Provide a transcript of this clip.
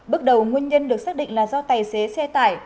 bước đầu nguyên nhân được xác định là do tài xế xe tải